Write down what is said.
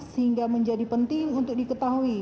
sehingga menjadi penting untuk diketahui